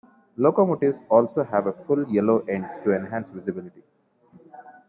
Locomotives also have full yellow ends to enhance visibility.